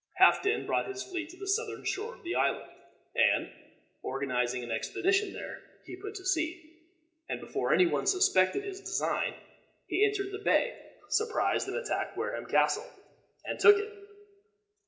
Halfden brought his fleet to the southern shore of the island, and, organizing an expedition there, he put to sea, and before any one suspected his design, he entered the bay, surprised and attacked Wareham Castle, and took it.